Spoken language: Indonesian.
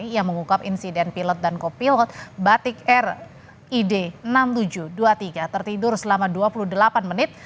yang mengukap insiden pilot dan kopilot batik rid enam ribu tujuh ratus dua puluh tiga tertidur selama dua puluh delapan menit